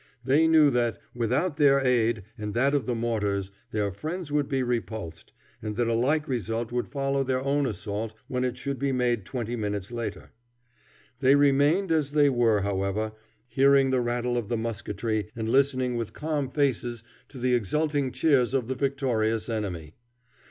They knew that, without their aid and that of the mortars, their friends would be repulsed, and that a like result would follow their own assault when it should be made, twenty minutes later. They remained as they were, however, hearing the rattle of the musketry and listening with calm faces to the exulting cheers of the victorious enemy.